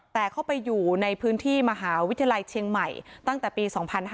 แต่เข้าไปอยู่ในพื้นที่มหาวิทยาลัยเชียงใหม่ตั้งแต่ปี๒๕๕๙